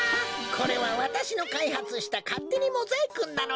これはわたしのかいはつしたかってにモザイクンなのだ。